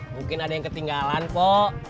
mungkin ada yang ketinggalan kok